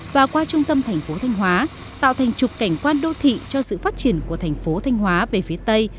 và qua trung tâm thành phố thanh hóa tạo thành trục cảnh quan đô thị cho sự phát triển của thành phố thanh hóa về phía tây